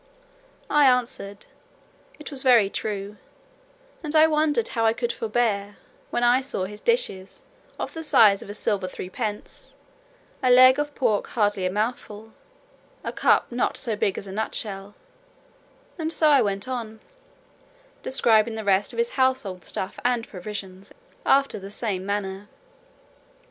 I answered, "it was very true; and I wondered how I could forbear, when I saw his dishes of the size of a silver three pence, a leg of pork hardly a mouthful, a cup not so big as a nut shell;" and so I went on, describing the rest of his household stuff and provisions, after the same manner.